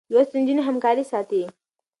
لوستې نجونې همکاري ساتي.